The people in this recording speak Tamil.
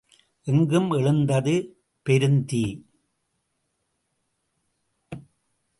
எங்கும் எழுந்தது பெருந்தீ.